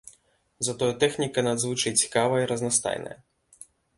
Затое тэхніка надзвычай цікавая і разнастайная.